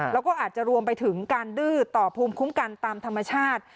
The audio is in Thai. แล้วก็อาจจะรวมไปถึงการดื้อต่อภูมิคุ้มกันตามธรรมชาติ